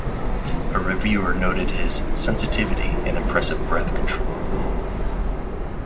A reviewer noted his "sensitivity and impressive breath control".